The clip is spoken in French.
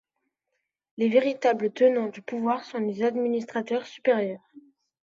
Les véritables tenants du pouvoir sont les Administrateurs supérieurs.